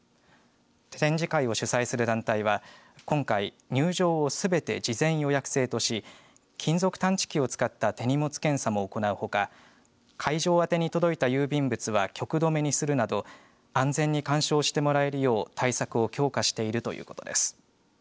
展示会を主催する団体は今回、入場をすべて事前予約制とし金属探知機を使った手荷物検査も行うほか会場宛てに届いた郵便物は局留めにするなど安全に干渉してもらえるよう対策を強化しているということです。